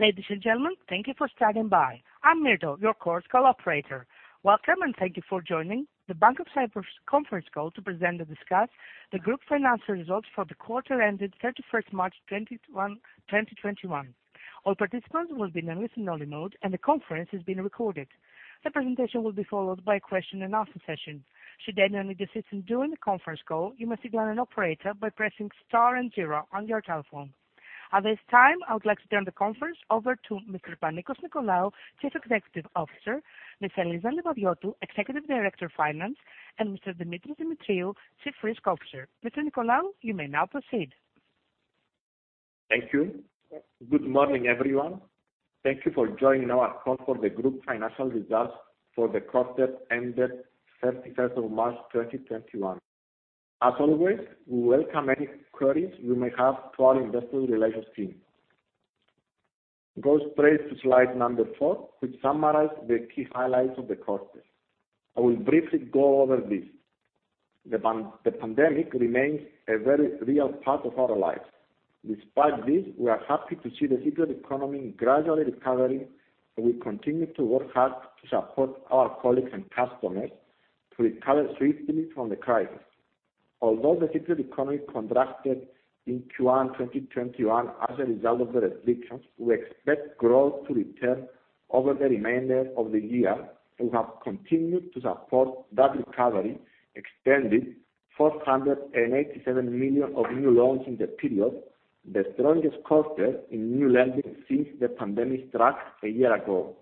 Ladies and gentlemen, thank you for standing by. I'm Myrtle, your conference call operator. Welcome, and thank you for joining the Bank of Cyprus conference call to present and discuss the group's financial results for the quarter ended 31st March 2021. All participants will be in a listen-only mode, and the conference is being recorded. The presentation will be followed by a question and answer session. Should any need assistance during the conference call, you must signal an operator by pressing star and zero on your telephone. At this time, I would like to turn the conference over to Mr. Panicos Nicolaou, Chief Executive Officer, Ms. Eliza Livadiotou, Executive Director of Finance, and Mr. Demetris Demetriou, Chief Risk Officer. Mr. Nicolaou, you may now proceed. Thank you. Good morning, everyone. Thank you for joining our call for the group financial results for the quarter ended 31st of March 2021. As always, we welcome any queries you may have to our investor relations team. Go straight to slide number four, which summarize the key highlights of the quarter. I will briefly go over this. The pandemic remains a very real part of our lives. Despite this, we are happy to see the global economy gradually recovering, and we continue to work hard to support our colleagues and customers to recover swiftly from the crisis. Although the global economy contracted in Q1 2021 as a result of the restrictions, we expect growth to return over the remainder of the year and have continued to support that recovery, extending 487 million of new loans in the period, the strongest quarter in new lending since the pandemic struck a year ago.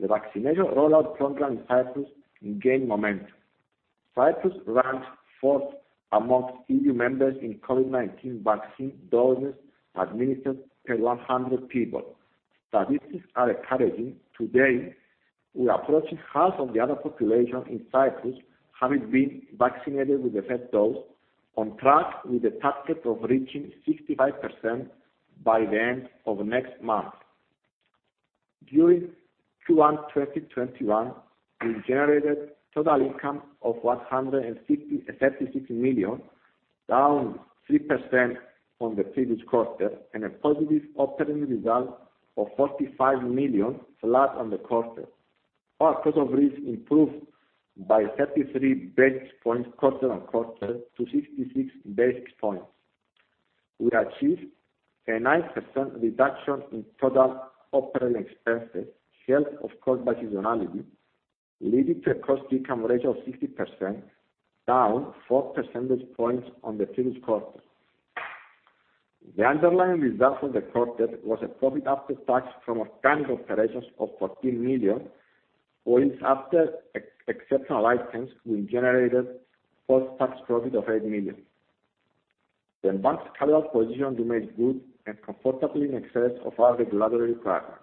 The vaccination rollout program in Cyprus gained momentum. Cyprus ranked fourth amongst EU members in COVID-19 vaccine doses administered per 100 people. Statistics are encouraging. Today, we're approaching half of the adult population in Cyprus having been vaccinated with the third dose, on track with the target of reaching 65% by the end of next month. During Q1 2021, we generated total income of 136 million, down 3% from the previous quarter, and a positive operating result of 45 million, flat on the quarter. Our cost of risk improved by 33 basis points quarter-on-quarter to 66 basis points. We achieved a 9% reduction in total operating expenses, helped of course by seasonality, leading to a cost-income ratio of 60%, down four percentage points on the previous quarter. The underlying result of the quarter was a profit after tax from continuing operations of 14 million, or after exceptional items, we generated post-tax profit of 8 million. The bank's capital position remains good and comfortably in excess of our regulatory requirements.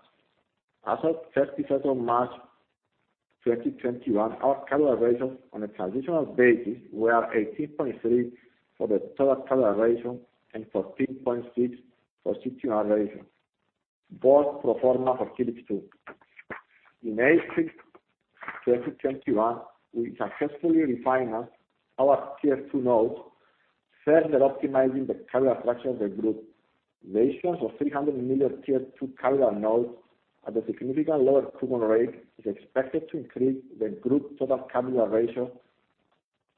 As of 31st of March 2021, our capital ratios on a transitional basis were 18.3% for the total capital ratio and 14.6% for CET1 ratio, both pro forma for Helix 2. In April 2021, we successfully refinanced our Tier 2 notes, further optimizing the capital structure of the group. The issuance of 300 million Tier 2 capital notes at a significantly lower coupon rate is expected to increase the group's total capital ratio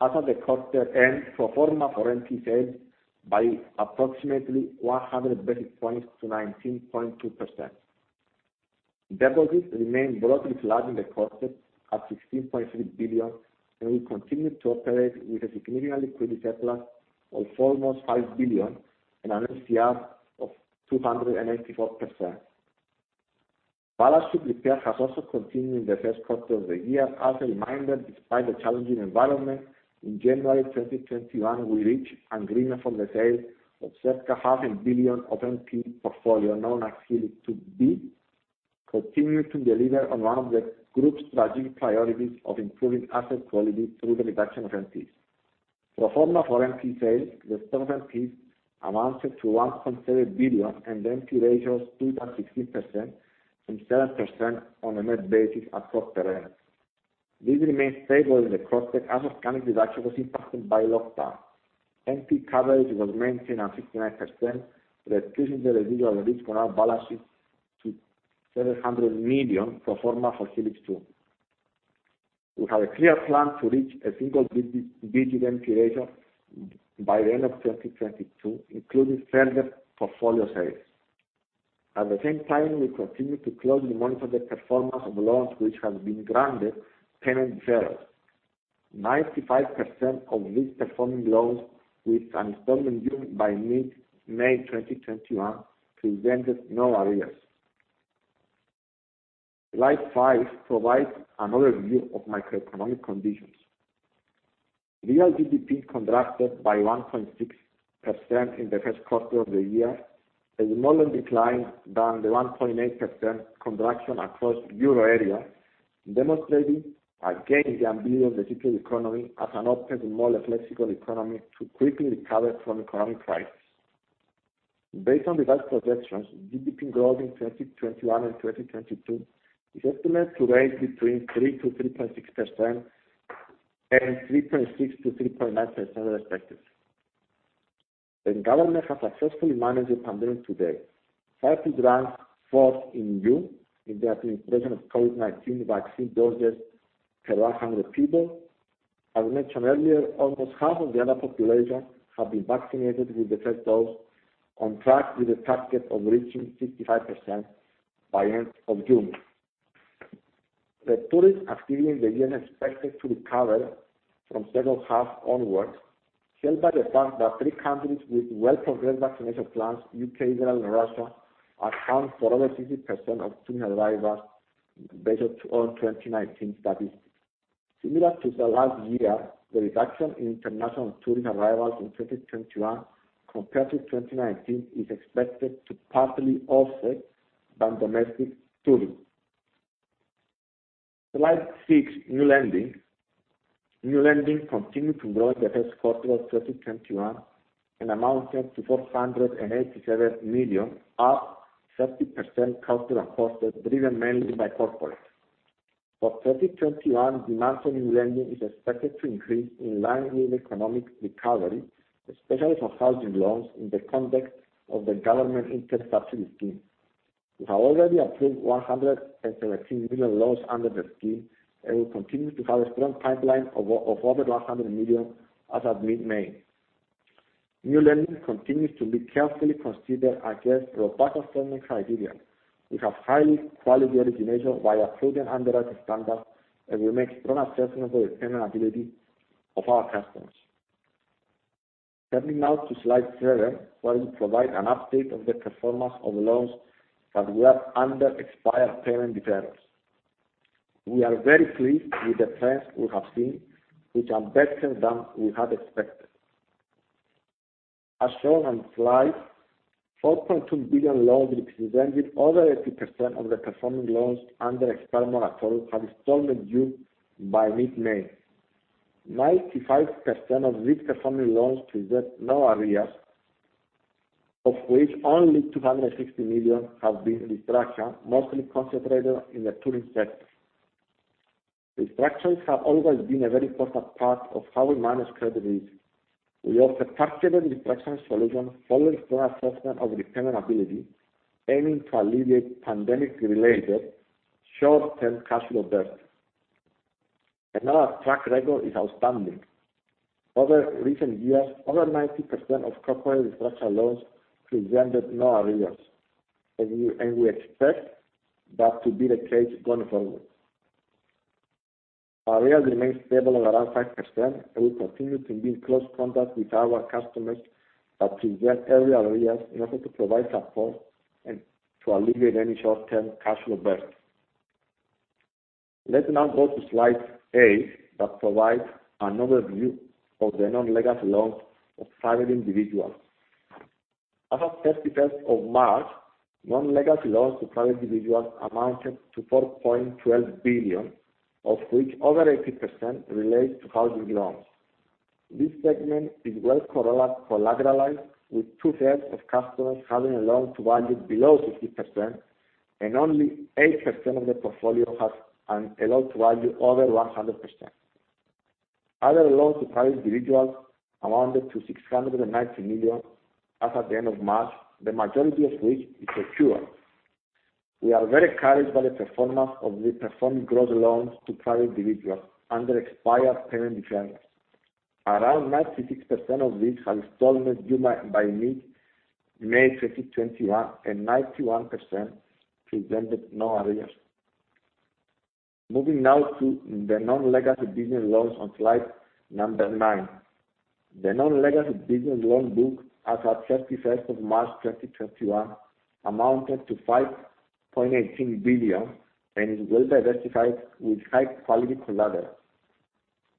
as of the quarter end, pro forma for NPE sales, by approximately 100 basis points to 19.2%. Deposits remained broadly flat in the quarter at 16.3 billion, and we continued to operate with a significant liquidity surplus of almost 5 billion and an LCR of 284%. Balance sheet repair has also continued in the first quarter of the year. As a reminder, despite the challenging environment, in January 2021, we reached agreement on the sale of circa 0.5 billion of NPE portfolio known as Helix 2B, continuing to deliver on one of the group's strategic priorities of improving asset quality through the reduction of NPEs. Pro forma for NPE sales, the stock of NPEs amounted to EUR 1.3 billion, the NPE ratio stood at 16% and 7% on a net basis at quarter end. This remains stable in the quarter as organic reduction was impacted by lockdown. NPE coverage was maintained at 69%, reducing the residual risk on our balance sheet to EUR 700 million pro forma for Helix 2. We have a clear plan to reach a single-digit NPE ratio by the end of 2022, including further portfolio sales. At the same time, we continue to closely monitor the performance of loans which have been granted payment deferrals. 95% of these performing loans with installment due by mid-May 2021 presented no arrears. Slide five provides an overview of macroeconomic conditions. Real GDP contracted by 1.6% in the first quarter of the year, a smaller decline than the 1.8% contraction across the euro area, demonstrating again the agility of the global economy as an open and more resilient economy to quickly recover from economic crisis. Based on the best projections, GDP growth in 2021 and 2022 is estimated to range between 3%-3.6% and 3.6%-3.9%, respectively. The government has successfully managed the pandemic to date. Cyprus ranks fourth in EU in terms of percent COVID-19 vaccine doses per 100 people. As mentioned earlier, almost half of the adult population have been vaccinated with the first dose, on track with the target of reaching 55% by end of June. The tourist activity in the year is expected to recover from third quarter onwards, helped by the fact that three countries with well-progressed vaccination plans, U.K., Israel, and Russia, account for over 60% of tourist arrivals based on 2019 statistics. Similar to the last year, the reduction in international tourist arrivals in 2021 compared to 2019 is expected to partly offset by domestic tourism. Slide six, new lending. New lending continued to grow in the first quarter of 2021 and amounted to 487 million, up 30% quarter-on-quarter, driven mainly by corporate. For 2021, demand for new lending is expected to increase in line with economic recovery, especially for housing loans in the context of the government interest subsidy scheme. We have already approved 117 million loans under the scheme, and we continue to have a strong pipeline of over 100 million as of mid-May. New lending continues to be carefully considered against robust lending criteria. We have high-quality origination via prudent underwriting standards, and we make strong assessment of the repayment ability of our customers. Turning now to slide seven, where we provide an update of the performance of loans that were under expired payment deferrals. We are very pleased with the trends we have seen, which are better than we had expected. As shown on slide, 4.2 billion loans, which is over 80% of the performing loans under expired moratorium had installment due by mid-May. 95% of these performing loans present no arrears, of which only 260 million have been restructured, mostly concentrated in the tourism sector. Restructures have always been a very important part of how we manage credit risk. We offer targeted restructuring solution following strong assessment of repayment ability, aiming to alleviate pandemic-related short-term cash flow pressures. Our track record is outstanding. Over recent years, over 90% of corporate restructured loans presented no arrears, and we expect that to be the case going forward. Arrears remains stable at around 5%, and we continue to be in close contact with our customers that present early arrears in order to provide support and to alleviate any short-term cash flow bursts. Let's now go to slide eight that provides an overview of the non-legacy loans of private individuals. As of 31st of March, non-legacy loans to private individuals amounted to 4.12 billion, of which over 80% relates to housing loans. This segment is well collateralized, with two-thirds of customers having a loan-to-value below 60%, and only 8% of the portfolio has a loan-to-value over 100%. Other loans to private individuals amounted to 619 million as of the end of March, the majority of which is secured. We are very encouraged by the performance of the performing gross loans to private individuals under expired payment deferrals. Around 96% of these had installment due by mid-May 2021, and 91% presented no arrears. Moving now to the non-legacy business loans on slide number nine. The non-legacy business loan book as at 31st of March 2021 amounted to 5.18 billion and is well diversified with high-quality collateral.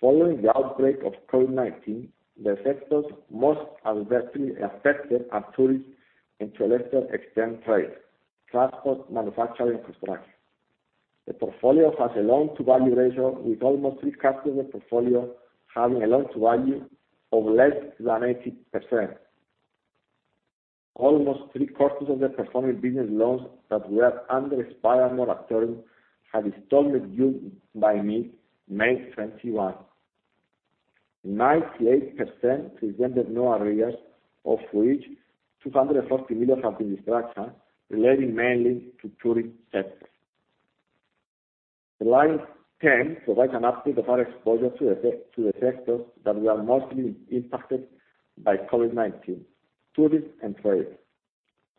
Following the outbreak of COVID-19, the sectors most adversely affected are tourism and to a lesser extent, trade, transport, manufacturing, and construction. The portfolio has a loan-to-value ratio with almost three-quarters of the portfolio having a loan-to-value of less than 80%. Almost three-quarters of the performing business loans that were under expired moratorium had installment due by mid-May 2021. 98% presented no arrears, of which 240 million have been restructured relating mainly to tourism sectors. Slide 10 provide an update of our exposure to the sectors that were mostly impacted by COVID-19, tourism and trade.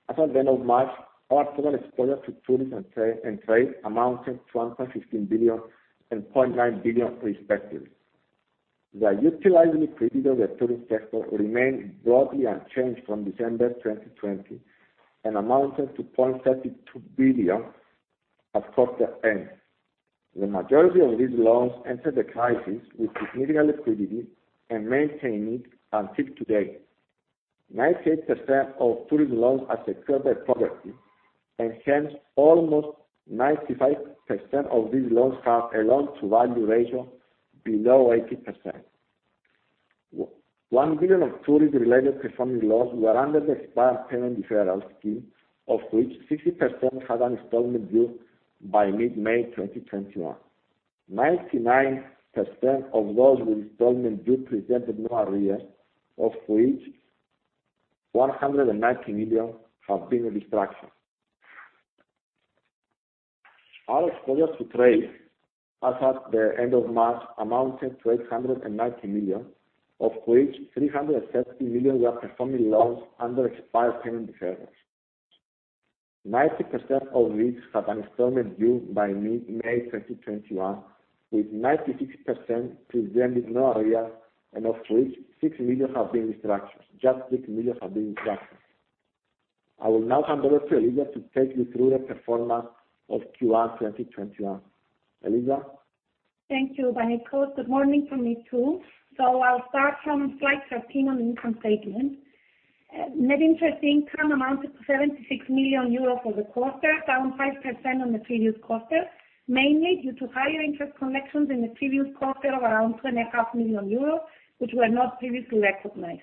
As of the end of March, our total exposure to tourism and trade amounted to 1.16 billion and 0.9 billion respectively. The utilized liquidity of the tourism sector remained broadly unchanged from December 2020 and amounted to 0.32 billion at quarter end. The majority of these loans entered the crisis with significant liquidity and maintained it until today. 98% of tourism loans are secured by property, and hence almost 95% of these loans have a loan-to-value ratio below 80%. EUR 1 billion of tourism-related performing loans were under the expired payment deferral scheme, of which 60% had installment due by mid-May 2021. 99% of those with installment due present no arrears, of which 190 million have been in restructuring. Our exposure to trade as at the end of March amounted to 890 million, of which 370 million were performing loans under expired payment deferrals. 90% of these have installment due by May 2021, with 96% presenting no arrears, and of which 6 million have been in restructuring. Just 6 million have been in restructuring. I will now hand over to Eliza to take you through the performance of Q1 2021. Eliza? Thank you, Panicos. Good morning from me, too. I'll start from slide 13 on the income statement. Net interest income amounted to 76 million euros for the quarter, down 5% on the previous quarter, mainly due to higher interest collections in the previous quarter of around 2.5 million euros, which were not previously recognized.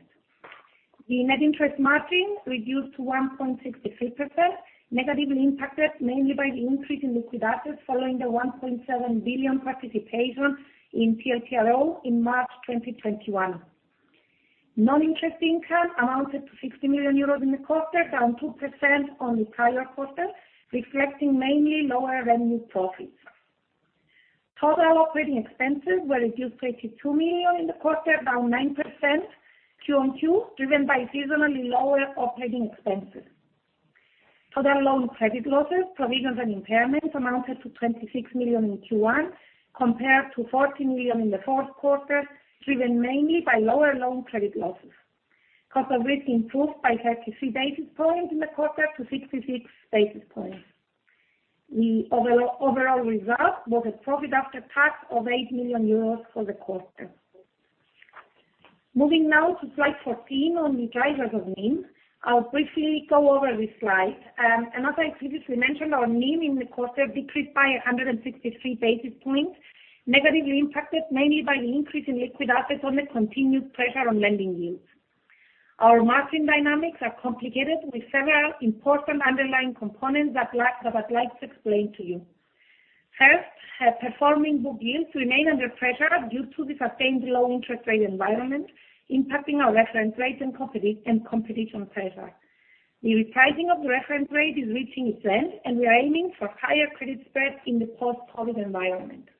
The net interest margin reduced to 1.63%, negatively impacted mainly by the increase in liquid assets following the 1.7 billion participations in TLTRO in March 2021. Non-interest income amounted to 60 million euros in the quarter, down 2% on the prior quarter, reflecting mainly lower revaluation profits. Total operating expenses were reduced to 22 million in the quarter, down 9% QoQ, driven by seasonally lower operating expenses. Total loan credit losses, provisions, and impairments amounted to 26 million in Q1, compared to 14 million in the fourth quarter, driven mainly by lower loan credit losses. Cost of risk improved by 33 basis points in the quarter to 66 basis points. The overall result was a profit after tax of 8 million euros for the quarter. Moving now to slide 14 on the drivers of NIM. I'll briefly go over this slide. As I previously mentioned, our NIM in the quarter decreased by 163 basis points, negatively impacted mainly by the increase in liquid assets and the continuous pressure on lending yields. Our margin dynamics are complicated with several important underlying components that I'd like to explain to you. First, performing book yields remain under pressure due to the sustained low interest rate environment, impacting our reference rate and competition pressure. The repricing of the reference rate is reaching its end, and we are aiming for higher credit spreads in the post-COVID environment.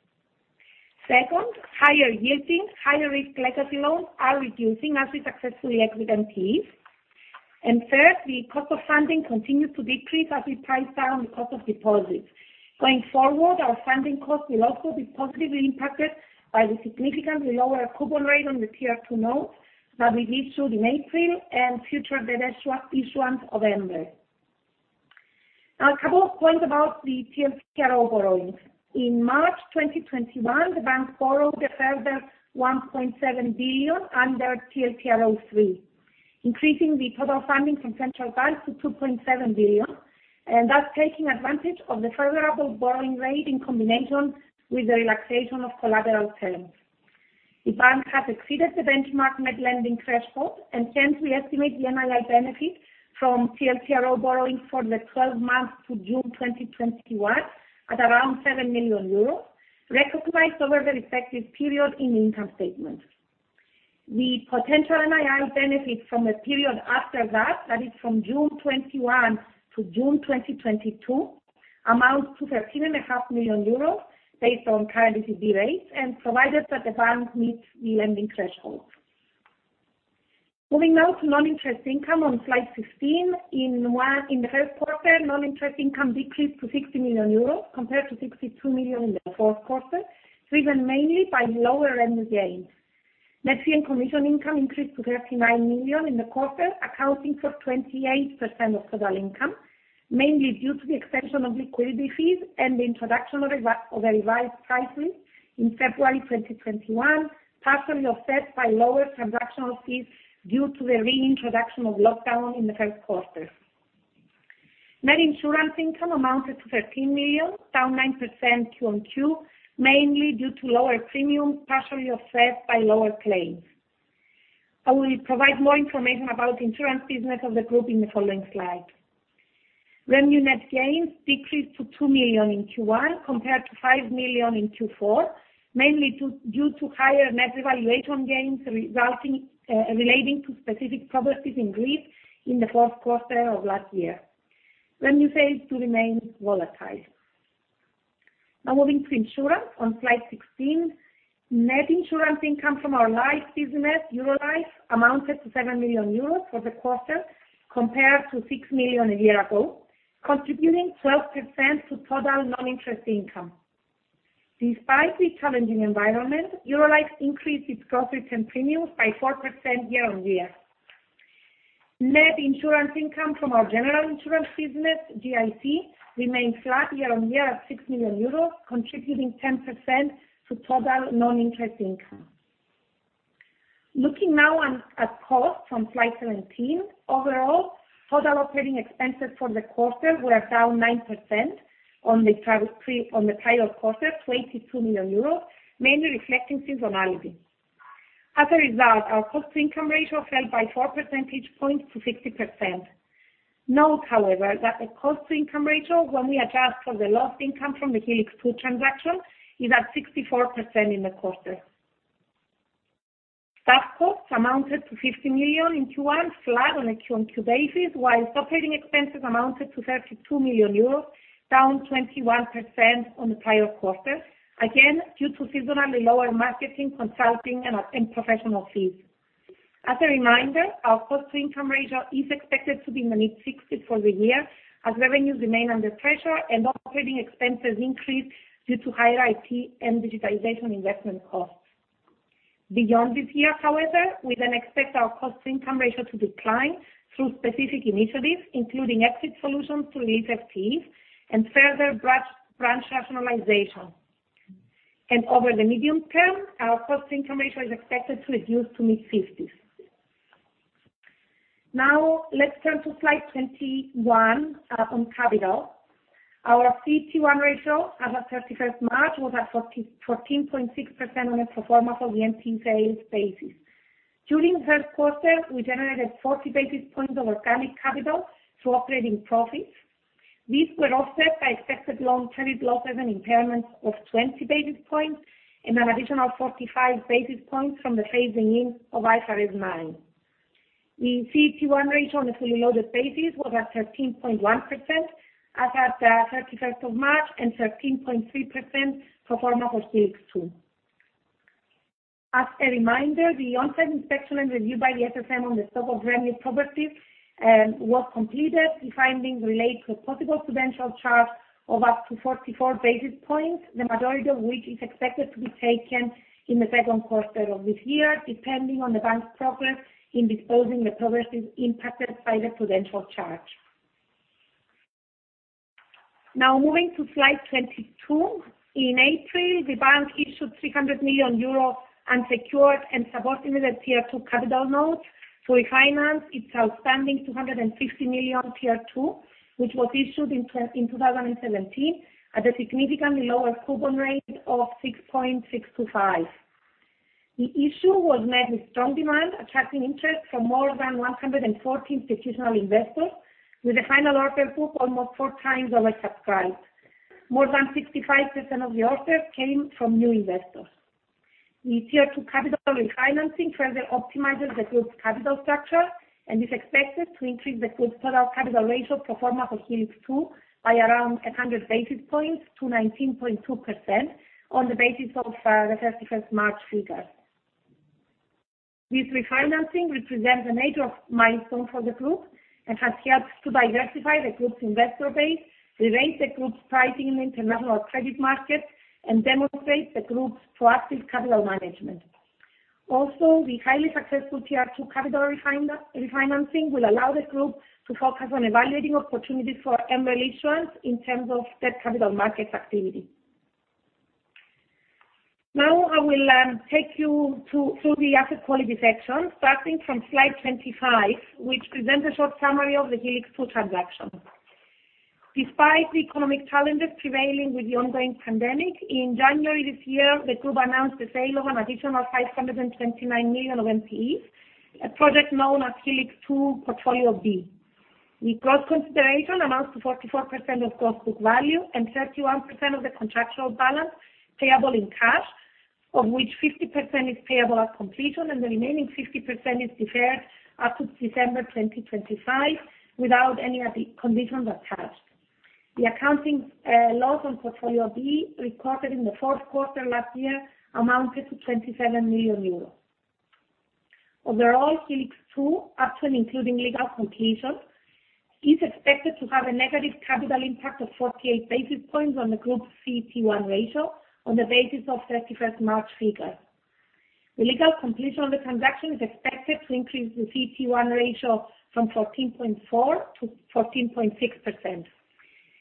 Second, higher yielding, higher risk legacy loans are reducing as we successfully execute on NPEs. Third, the cost of funding continued to decrease as we priced down the cost of deposits. Going forward, our funding cost will also be positively impacted by the significantly lower coupon rate on the TLTRO note that we drew in April and future potential issuance of MREL. A couple of points about the TLTRO borrowings. In March 2021, the bank borrowed a further 1.7 billion under TLTRO III, increasing the total funding from Central Bank to 2.7 billion, and thus taking advantage of the favorable borrowing rate in combination with the relaxation of collateral terms. The bank has exceeded the benchmark net lending threshold, and hence we estimate the MREL benefit from TLTRO borrowing for the 12 months to June 2021 at around 7 million euros, recognized over the respective period in income statements. The potential MREL benefit from the period after that is from June 2021 to June 2022, amounts to 13.5 million euros based on current ECB rates and provided that the bank meets the lending threshold. Moving now to non-interest income on slide 15. In the first quarter, non-interest income decreased to 60 million euros compared to 62 million in the fourth quarter, driven mainly by lower revaluation gains. Net fee and commission income increased to 39 million in the quarter, accounting for 28% of total income, mainly due to the extension of liquidity fees and the introduction of a revised pricing in February 2021, partially offset by lower transactional fees due to the reintroduction of lockdown in the first quarter. Net insurance income amounted to 13 million, down 9% QoQ, mainly due to lower premiums, partially offset by lower claims. I will provide more information about insurance business of the group in the following slide. Revaluation net gains decreased to 2 million in Q1 compared to 5 million in Q4, mainly due to higher net valuation gains relating to specific properties in Greece in the fourth quarter of last year. Revaluation gains do remain volatile. Now moving to insurance on slide 16. Net insurance income from our life business, Eurolife, amounted to 7 million euros for the quarter, compared to 6 million a year ago, contributing 12% to total non-interest income. Despite the challenging environment, Eurolife increased its profits and premiums by 4% year-over-year. Net insurance income from our general insurance business, GIC, remains flat year-on-year at 6 million euros, contributing 10% to total non-interest income. Looking now at cost on slide 17. Overall, total operating expenses for the quarter were down 9% on the prior quarter to 22 million euros, mainly reflecting seasonality. As a result, our cost-income ratio fell by four percentage points to 60%. Note, however, that the cost-income ratio, when we adjust for the lost income from the Helix 2 transaction, is at 64% in the quarter. Staff costs amounted to 50 million in Q1, flat on a QoQ basis, while operating expenses amounted to 32 million euros, down 21% on the prior quarter, again, due to seasonally lower marketing, consulting, and professional fees. As a reminder, our cost-income ratio is expected to be mid-60 for the year as revenues remain under pressure and operating expenses increase due to higher IT and digitization investment costs. Beyond this year, however, we then expect our cost-income ratio to decline through specific initiatives, including exit solutions to release NPEs and further branch rationalization. Over the medium term, our cost-income ratio is expected to reduce to mid-50s. Let's turn to slide 21 on capital. Our CET1 ratio as at 31st March was at 14.6% on a pro forma for the NPE sales basis. During the first quarter, we generated 40 basis points of organic capital through operating profits. These were offset by expected loan credit losses and impairments of 20 basis points and an additional 45 basis points from the phasing in of IFRS 9. The CET1 ratio on a fully loaded basis was at 13.1% as at 31st of March and 13.3% pro forma for Helix 2. As a reminder, the ongoing special review by the SSM on the stock of remnant properties was completed, finding relate to a possible prudential charge of up to 44 basis points, the majority of which is expected to be taken in the second quarter of this year, depending on the Bank's progress in disposing the properties impacted by the prudential charge. Moving to slide 22. In April, the Bank issued 300 million euro unsecured and subordinated Tier 2 capital notes to refinance its outstanding 250 million Tier 2, which was issued in 2017 at a significantly lower coupon rate of 6.625. The issue was met with strong demand, attracting interest from more than 114 institutional investors, with a final order book almost four times oversubscribed. More than 65% of the offers came from new investors. The Tier 2 capital refinancing further optimizes the group's capital structure and is expected to increase the group's total capital ratio pro forma for Helix 2 by around 100 basis points to 19.2% on the basis of 31st March figures. This refinancing represents a major milestone for the group and has helped to diversify the group's investor base, raise the group's pricing in international credit markets, and demonstrate the group's proactive capital management. Also, the highly successful Tier 2 capital refinancing will allow the group to focus on evaluating opportunities for MREL issuance in terms of debt capital markets activity. Now, I will take you through the asset quality section, starting from slide 25, which presents a short summary of the Helix 2 transaction. Despite the economic challenges prevailing with the ongoing pandemic, in January this year, the group announced the sale of an additional 529 million of NPEs, a project known as Helix 2 Portfolio B. The gross consideration amounts to 44% of book value and 31% of the contractual balance payable in cash, of which 50% is payable at completion and the remaining 50% is deferred up to September 2025 without any conditions attached. The accounting loss on Portfolio B recorded in the fourth quarter last year amounted to 27 million euros. Overall, Helix 2, up and including legal completion, is expected to have a negative capital impact of 48 basis points on the group's CET1 ratio on the basis of 31st March figures. The legal completion of the transaction is expected to increase the CET1 ratio from 14.4% to 14.6%,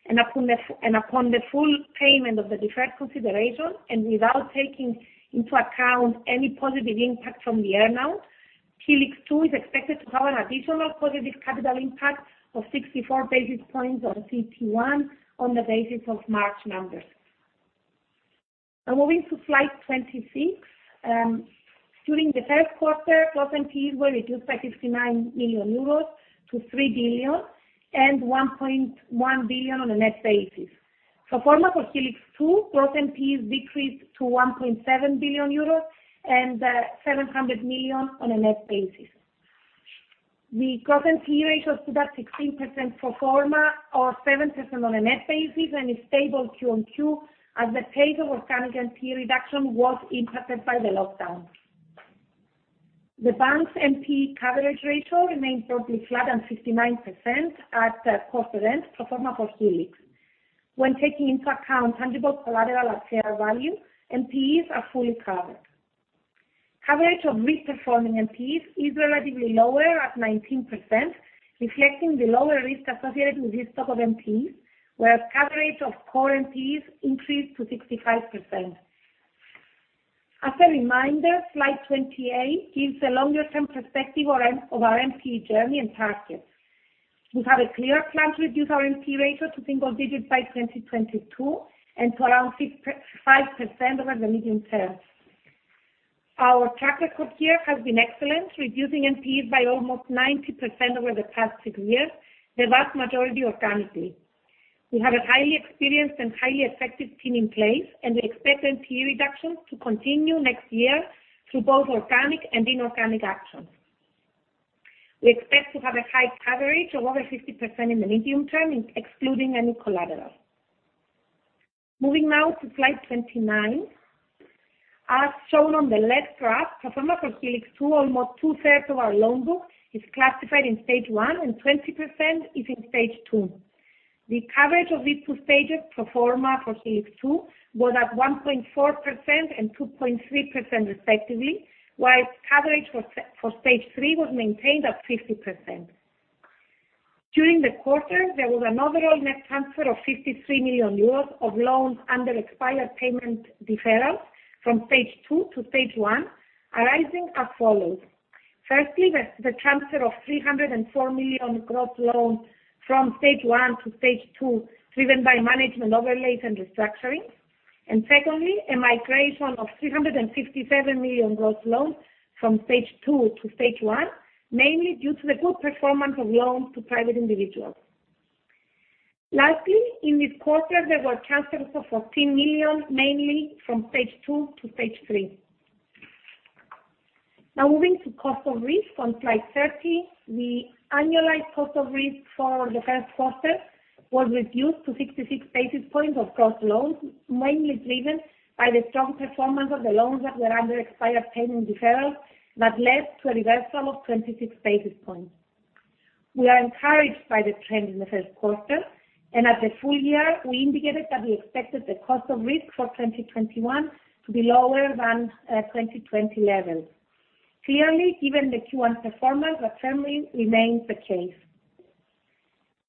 and upon the full payment of the deferred consideration, and without taking into account any positive impact from the earn-out, Helix 2 is expected to have an additional positive capital impact of 64 basis points on CET1 on the basis of March numbers. Moving to slide 26. During the first quarter, NPEs were reduced by 59 million euros to 3 billion and 1.1 billion on a net basis. Pro forma for Helix 2, NPEs decreased to 1.7 billion euros and 700 million on a net basis. The NPE ratio stood at 16% pro forma or 7% on a net basis and is stable QoQ as the pace of organic fee reduction was impacted by the lockdown. The bank's NPE coverage ratio remains broadly flat at 59% at gross allowance pro forma for Helix. When taking into account tangible collateral at fair value, NPEs are fully covered. Coverage of restructured NPEs is relatively lower at 19%, reflecting the lower risk associated with this stock of NPEs, whereas coverage of core NPEs increased to 65%. As a reminder, slide 28 gives the longer-term perspective of our NPE journey and targets. We have a clear plan to reduce our NPE ratio to single digits by 2022 and to around 5% over the medium term. Our track record here has been excellent, reducing NPEs by almost 90% over the past three years, the vast majority organically. We have a highly experienced and highly effective team in place, expect NPE reductions to continue next year through both organic and inorganic actions. We expect to have a high coverage of over 50% in the medium term, excluding any collateral. Moving now to slide 29. As shown on the left graph, pro forma for Helix 2, almost two-thirds of our loan book is classified in Stage 1, and 20% is in Stage 2. The coverage of these two stages pro forma for Helix 2 was at 1.4% and 2.3% respectively, whilst coverage for Stage 3 was maintained at 50%. During the quarter, there was an overall net transfer of 53 million euros of loans under expired payment deferral from Stage 2 to Stage 1, arising as follows. Firstly, the transfer of 304 million gross loans from Stage 1 to Stage 2, driven by management overlays and restructurings. Secondly, a migration of 367 million gross loans from Stage 2 to Stage 1, mainly due to the good performance of loans to private individuals. Lastly, in the quarter, there were transfers of 14 million, mainly from Stage 2 to Stage 3. Now moving to cost of risk on slide 30. The annualized cost of risk for the first quarter was reduced to 66 basis points of gross loans, mainly driven by the strong performance of the loans that were under expired payment deferral, that led to a reversal of 26 basis points. We are encouraged by the trend in the first quarter, and at the full year, we indicated that we expected the cost of risk for 2021 to be lower than 2020 levels. Clearly, given the Q1 performance, that firmly remains the case.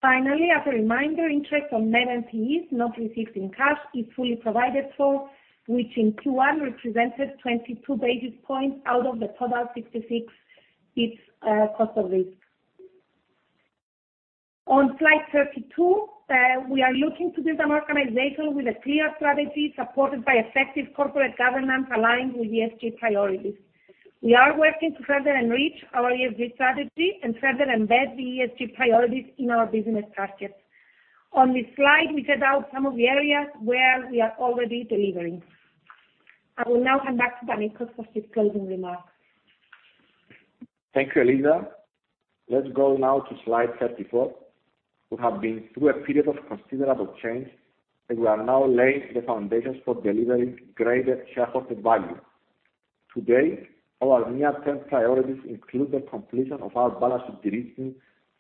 Finally, as a reminder, interest on net NPEs not received in cash is fully provided for, which in Q1 represented 22 basis points out of the total 66 cost of risk. On slide 32, we are looking to be an organization with a clear strategy, supported by effective corporate governance aligned with ESG priorities. We are working to further enrich our ESG strategy and further embed the ESG priorities in our business targets. On this slide, we set out some of the areas where we are already delivering. I will now hand back to Panicos for his closing remarks. Thank you, Eliza. Let's go now to slide 34. We have been through a period of considerable change, and we are now laying the foundations for delivering greater shareholder value. Today, our near-term priorities include the completion of our balance sheet de-risking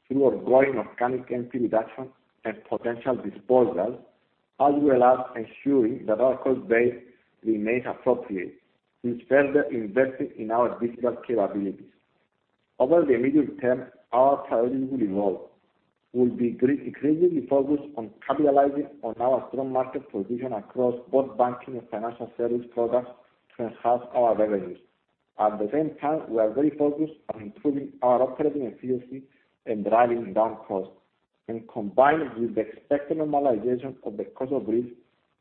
through ongoing organic NPE reductions and potential disposals, as well as ensuring that our cost base remains appropriate with further investing in our digital capabilities. Over the immediate term, our priority will evolve. We'll be increasingly focused on capitalizing on our strong market position across both banking and financial service products to enhance our revenues. At the same time, we are very focused on improving our operating efficiency and driving down costs. Combined with the expected normalization of the cost of risk,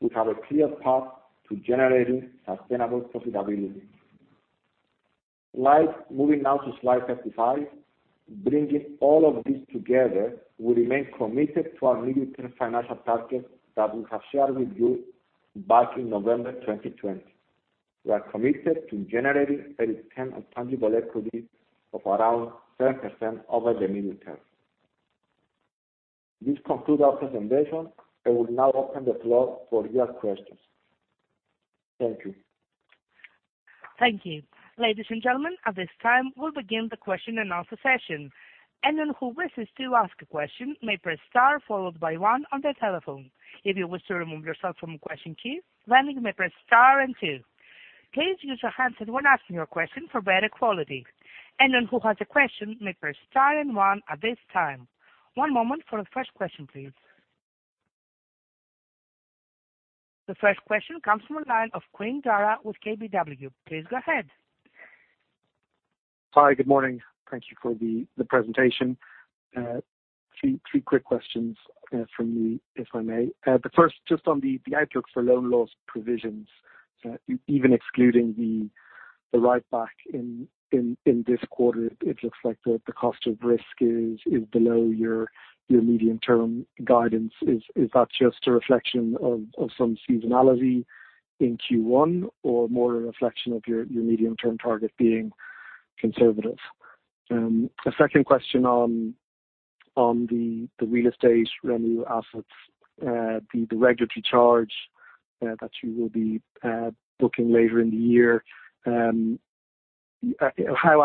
we have a clear path to generating sustainable profitability. Moving now to slide 35. Bringing all of this together, we remain committed to our medium-term financial targets that we have shared with you back in November 2020. We are committed to generating return on tangible equity of around 10% over the medium term. This concludes our presentation, and we'll now open the floor for your questions. Thank you. Thank you. Ladies and gentlemen, at this time, we'll begin the question and answer session. Anyone who wishes to ask a question may press star followed by one on their telephone. If you wish to remove yourself from question queue, then you may press star and two. Please use your handset when asking your question for better quality. Anyone who has a question may press star and one at this time. One moment for the first question, please. The first question comes from the line of Can Demir with KBW. Please go ahead. Hi. Good morning. Thank you for the presentation. Three quick questions from me, if I may. The first, just on the outlook for loan loss provisions, even excluding the write-back in this quarter, it looks like the cost of risk is below your medium-term guidance. Is that just a reflection of some seasonality in Q1 or more a reflection of your medium-term target being conservative? The second question on the real estate REO assets, the regulatory charge that you will be booking later in the year. How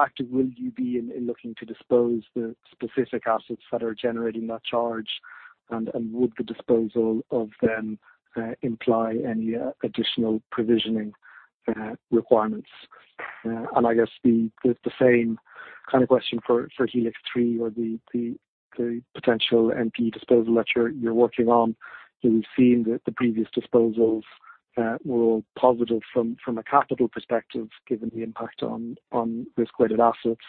active will you be in looking to dispose the specific assets that are generating that charge? Would the disposal of them imply any additional provisioning requirements? I guess the same kind of question for Helix 3 or the potential NPE disposal that you're working on. We've seen the previous disposals were positive from a capital perspective, given the impact on risk-weighted assets,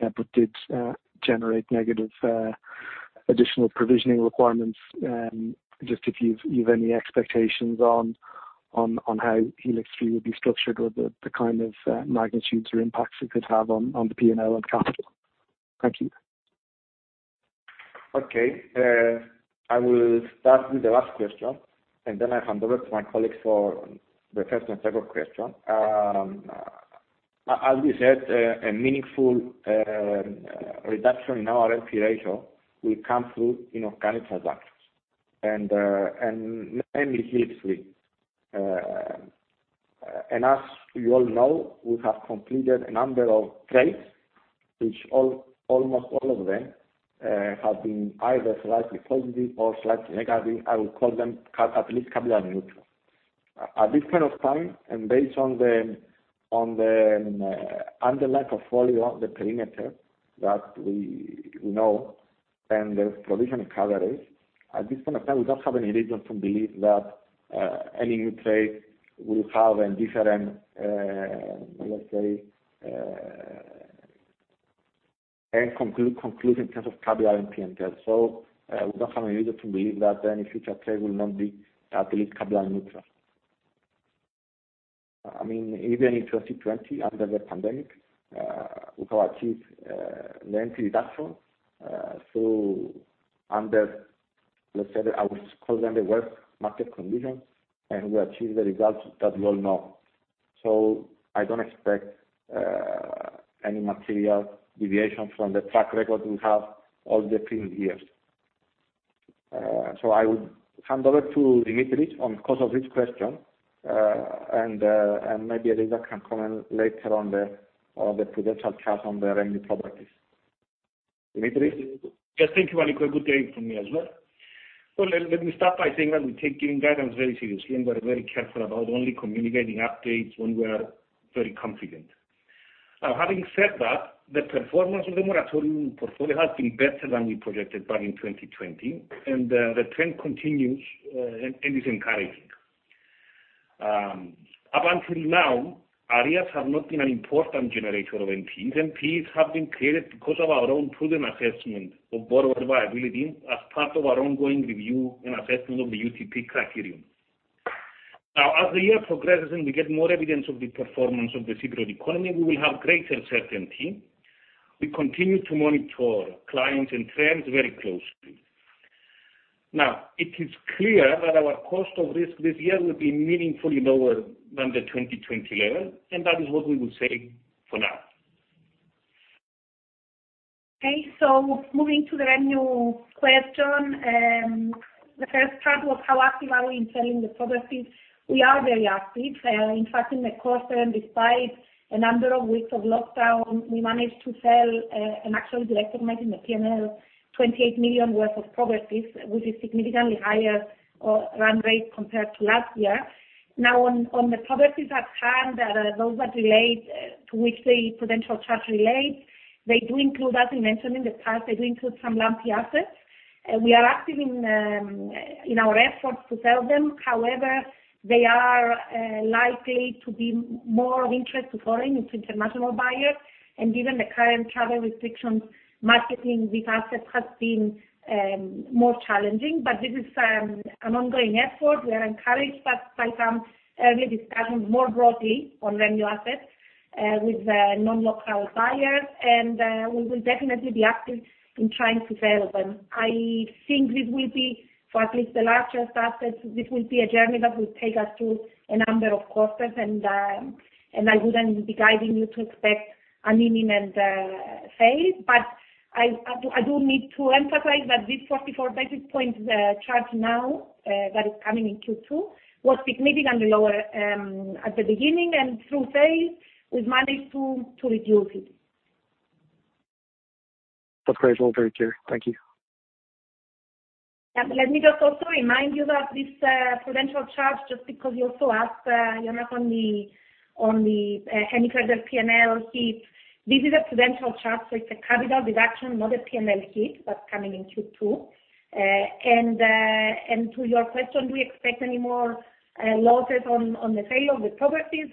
but did generate negative additional provisioning requirements. Just if you've any expectations on how Helix 3 will be structured or the kind of magnitudes or impacts it could have on the P&L and capital. Thank you. Okay. I will start with the last question, and then I hand over to my colleague for the first and second question. As we said, a meaningful reduction in our NPE ratio will come through inorganic reductions and mainly Helix 3. As you all know, we have completed a number of trades, which almost all of them have been either slightly positive or slightly negative. I would call them at least capital neutral. At this point of time, and based on the underlying portfolio, the perimeter that we know and the provision coverage, at this point in time, we don't have any reason to believe that any new trade will have a different, let's say, end conclusion in terms of capital and P&L. We don't have any reason to believe that any future trade will not be at least capital neutral. Even in 2020, after the pandemic, we have achieved NPL reduction. Under, let's say, I would call them the worst market conditions, and we achieved the results that we all know. I don't expect any material deviations from the track record we have all the previous years. I would hand over to Demetris on the cost of risk question, and maybe Eliza can comment later on the potential charge on the REO properties. Demetris? Yes, thank you, Can. Good day to me as well. Let me start by saying that we take guidance very seriously, and we're very careful about only communicating updates when we are very confident. Having said that, the performance of the non-performing portfolio has been better than we projected back in 2020, and the trend continues and is encouraging. Up until now, arrears have not been an important generator of NPLs, and NPLs have been created because of our own prudent assessment of borrower viability as part of our ongoing review and assessment of the UTP criterion. Now, as the year progresses and we get more evidence of the performance of the Cypriot economy, we will have greater certainty. We continue to monitor clients and trends very closely. Now, it is clear that our cost of risk this year will be meaningfully lower than the 2020 level, and that is what we will say for now. Okay, moving to the new question. The first part was how active are we in selling the properties? We are very active. In fact, in the quarter, and despite a number of weeks of lockdown, we managed to sell and actually recognize in the P&L 28 million worth of properties, which is significantly higher run rate compared to last year. On the properties at hand, those that relate to which the potential charge relates, they do include, as we mentioned in the past, they do include some lumpy assets. We are active in our efforts to sell them. They are likely to be more of interest to foreign, to international buyers. Given the current travel restrictions, marketing these assets has been more challenging. This is an ongoing effort. We are encouraged by some early discussions more broadly on REO assets with non-local buyers, and we will definitely be active in trying to sell them. I think this will be, for at least the largest assets, this will be a journey that will take us through a number of quarters, and I wouldn't be guiding you to expect an imminent sale. I do need to emphasize that this 44 basis points charge now that is coming in Q2 was significantly lower at the beginning, and through sales, we've managed to reduce it. Appraisal very clear. Thank you. Let me just also remind you that this prudential charge, just because you also asked, Jonas, on the any credit P&L hit. This is a prudential charge. It's a capital reduction, not a P&L hit, that's coming in Q2. To your question, do we expect any more losses on the sale of the properties?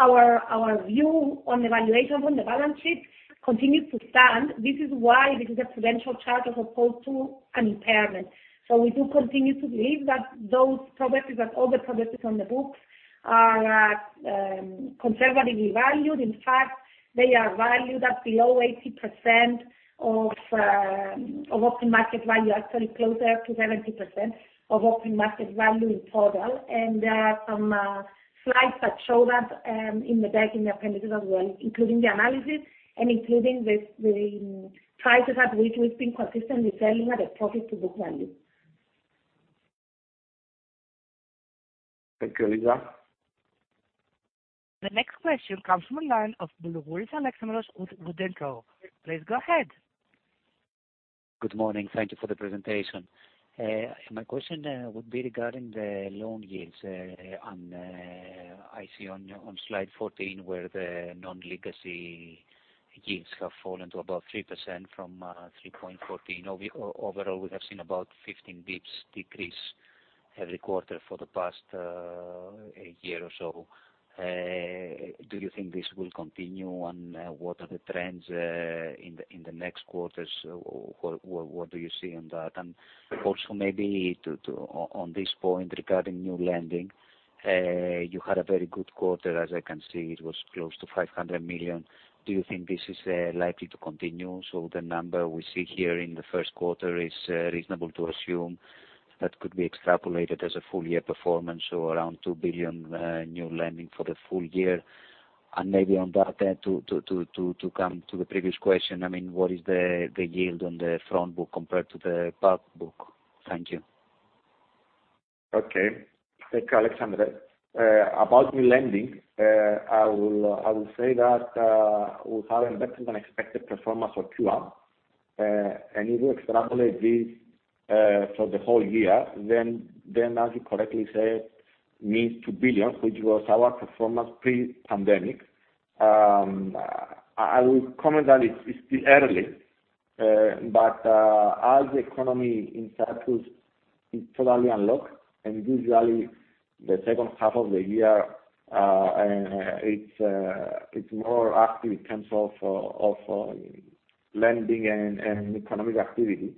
Our view on the valuation on the balance sheet continues to stand. This is why this is a prudential charge as opposed to an impairment. We do continue to believe that those properties, like all the properties on the books, are conservatively valued. In fact, they are valued at below 80% of what the market value, actually closer to 70% of what the market value in total. There are some slides that show that in the deck, in the appendix as well, including the analysis and including the prices at which we've been consistently selling the properties we're selling. Thank you, Eliza. The next question comes from the line of Alexandros Boulougouris with Wood & Company. Please go ahead. Good morning. Thank you for the presentation. My question would be regarding the loan yields and. I see on slide 14 where the non-legacy yields have fallen to about 3% from 3.14. Overall, we have seen about 15 basis points decrease every quarter for the past year or so. Do you think this will continue, and what are the trends in the next quarters? What do you see on that? Also maybe on this point regarding new lending, you had a very good quarter, as I can see, it was close to 500 million. Do you think this is likely to continue? The number we see here in the first quarter is reasonable to assume that could be extrapolated as a full year performance, around 2 billion new lending for the full year? Maybe on that end, to come to the previous question, what is the yield on the front book compared to the back book? Thank you. Okay. Thank you, Alexandros. About new lending, I will say that we've had a better than expected performance for Q1, and if you extrapolate this for the whole year, then as you correctly say, near 2 billion, which was our performance pre-pandemic. I will comment that it's still early, but as the economy in Cyprus is totally unlocked, and usually the second half of the year it's more active in terms of lending and economic activity.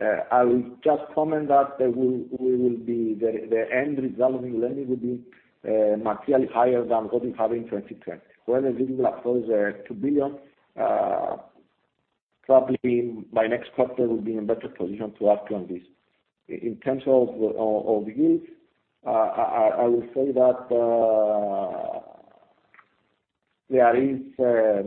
I will just comment that the end result of new lending will be materially higher than what we had in 2020. Whether it will be closer to 2 billion, probably by next quarter we'll be in a better position to answer on this. In terms of the yields, I will say that there is a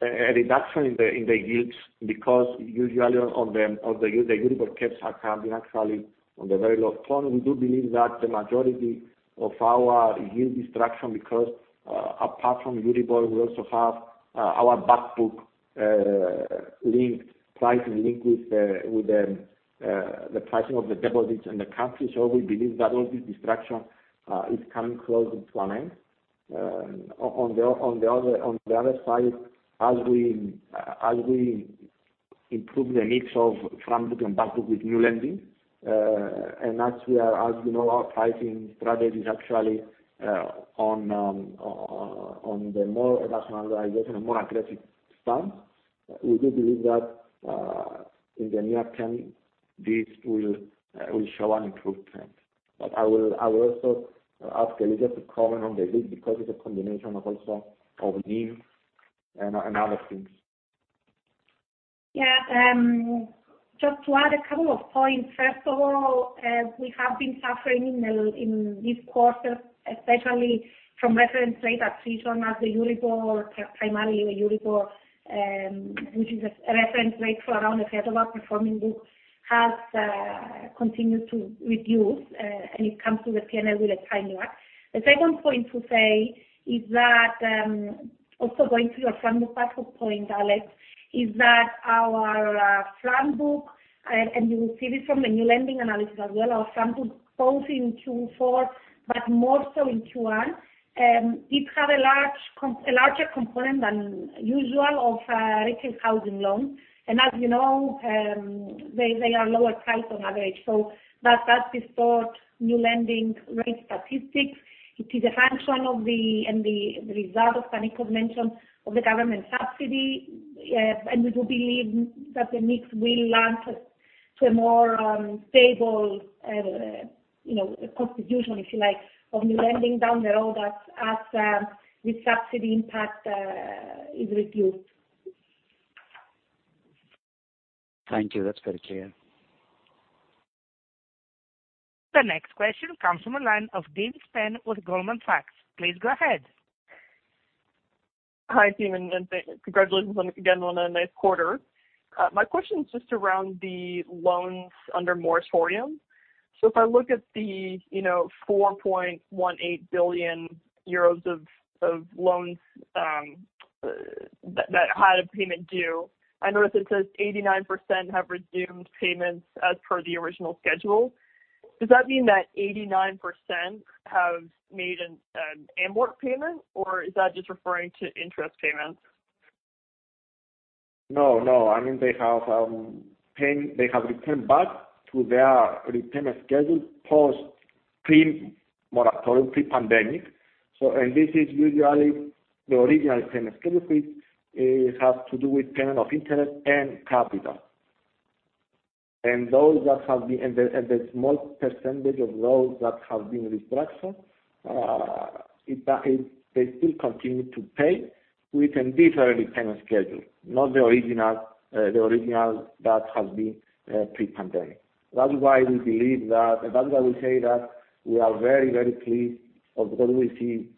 reduction in the yields because usually the Euribor caps are coming actually on the very low front. We do believe that the majority of our yield destruction, because apart from Euribor, we also have our back book linked, pricing linked with the pricing of the deposits in the country. We believe that all this destruction is coming close to an end. On the other side, as we improve the mix of front book and back book with new lending, and as you know, our pricing strategy is actually on the more rationalization and more aggressive front, we do believe that in the near term, this will show an improved trend. I will also ask Eliza to comment on the yield because it's a combination of also yields and other things. Just to add a couple of points. First of all, we have been suffering in this quarter, especially from reference rate attrition as the Euribor, primarily the Euribor, which is a reference rate for around a third of our performing books, has continued to reduce, and it comes with a lag. The second point to say is that, also going to your front book point, Alex, is that our front book, and you will see this from the new lending analysis as well, our front book both in Q4 but more so in Q1, it had a larger component than usual of retail housing loans. As you know, they are lower priced on average. That distorts new lending rate statistics. It is a function of the end result, as Panicos mentioned, of the government subsidy, and we do believe that the mix will land to a more stable constitution, if you like, of new lending down the road as the subsidy impact is reduced. Thank you. That's very clear. The next question comes from the line of Daniel Dees with Goldman Sachs. Please go ahead. Hi team, and congratulations again on a nice quarter. My question is just around the loans under moratorium. If I look at the 4.18 billion euros of loans that had a payment due, I notice it says 89% have resumed payments as per the original schedule. Does that mean that 89% have made an amort payment, or is that just referring to interest payments? No, they have returned back to their repayment schedule post pre-moratorium, pre-pandemic. This is usually the original payment schedule. It has to do with payment of interest and capital. The small percentage of those that have been restructured, they still continue to pay with a different repayment schedule, not the original that has been pre-pandemic. That is why we say that we are very pleased with what we see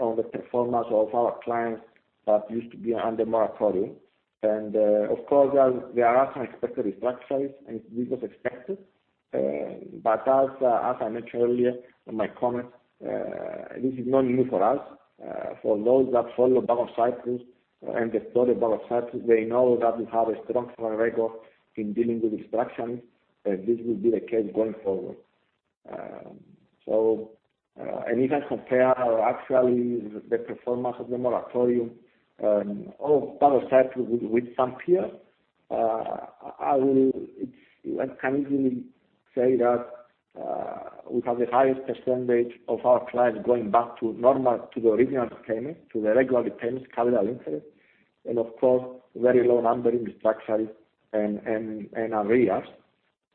on the performance of our clients that used to be under moratorium. Of course, there are some expected restructures, and we got expected. As I mentioned earlier in my comments, this is not new for us. For those that follow Bank of Cyprus and the story of Bank of Cyprus, they know that we have a strong track record in dealing with restructures, and this will be the case going forward. If I compare actually the performance of the moratorium of banking sector with peers, I can easily say that we have the highest percentage of our clients going back to the original payment, to the regular payment, capital and interest, and of course, very low restructuring and arrears.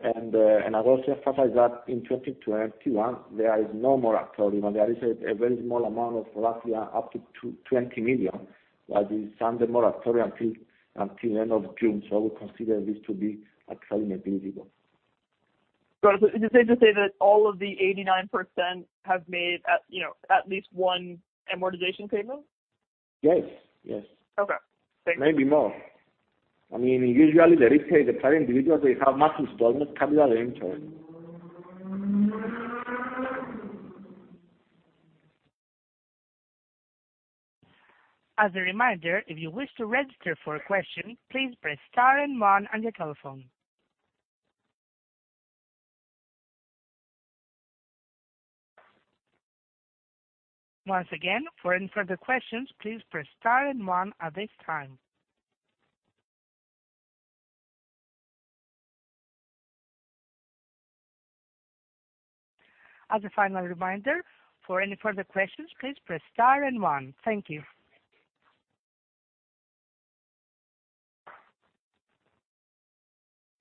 I would also emphasize that in 2021, there is no moratorium. There is a very small amount of roughly up to 20 million that is under moratorium until end of June. We consider this to be actually negligible. Is it safe to say that all of the 89% have made at least one amortization payment? Yes. Okay. Thanks. Maybe more. Usually, the payment, because they have not installed the capital and interest.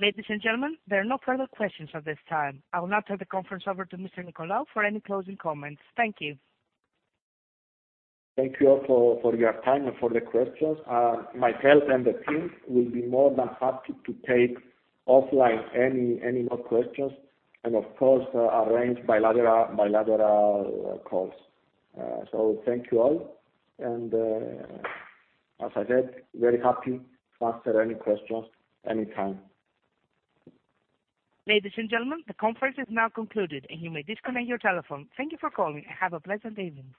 Ladies and gentlemen, there are no further questions at this time. I will now turn the conference over to Mr. Nicolaou for any closing comments. Thank you. Thank you all for your time and for the questions. Myself and the team will be more than happy to take offline any more questions and of course, arrange bilateral calls. Thank you all. As I said, very happy to answer any questions anytime. Ladies and gentlemen, the conference is now concluded, and you may disconnect your telephone. Thank you for calling and have a pleasant evening.